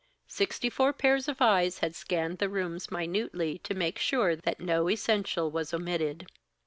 Sixty four pairs of eyes had scanned the rooms minutely to make sure that no essential was omitted.